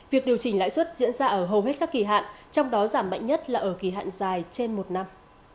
việc điều chỉnh lãi suất diễn ra ở hầu hết các kỳ hạn trong đó giảm mạnh nhất là ở kỳ hạn dài trên một năm